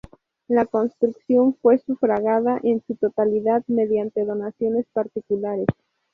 La construcción fue sufragada en su totalidad mediante donaciones particulares.